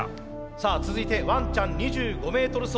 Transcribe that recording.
さあ続いて「ワンちゃん２５Ｍ走」